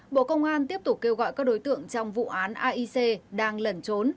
bộ công an tiếp tục kêu gọi các đối tượng trong vụ án aic đang lẩn trốn